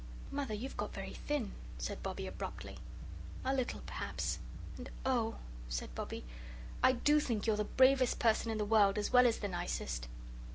"Mother, you've got very thin," said Bobbie, abruptly. "A little, perhaps." "And oh," said Bobbie, "I do think you're the bravest person in the world as well as the nicest!"